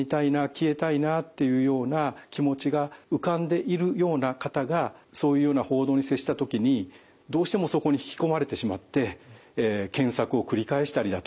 「消えたいな」っていうような気持ちが浮かんでいるような方がそういうような報道に接した時にどうしてもそこに引き込まれてしまって検索を繰り返したりだとか